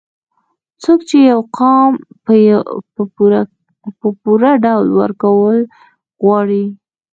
څوک چې يو قام په پوره ډول وروکول غواړي